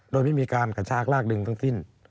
โดยไม่มีการกระชากลากดึงทั้งสิ้น